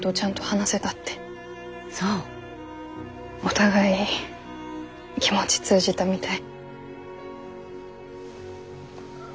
お互い気持ち通じたみたい。